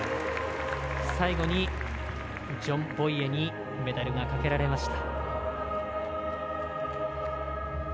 最後にジョン・ボイにメダルがかけられました。